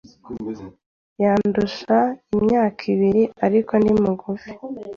Yandusha imyaka ibiri, ariko ni mugufi.